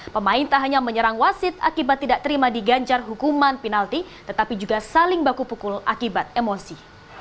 pemain tak hanya menyerang wasit akibat tidak terima diganjar hukuman penalti tetapi juga saling baku pukul akibat emosi